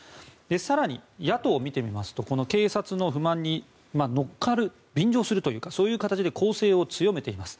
更に、野党を見てみますと警察の不満に乗っかる便乗するというかそういう形で攻勢を強めています。